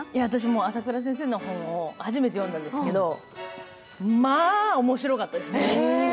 浅倉先生の本を初めて読んだんですけど、まあ面白かったですね。